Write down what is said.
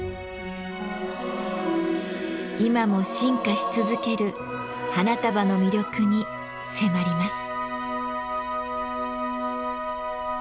今も進化し続ける花束の魅力に迫ります。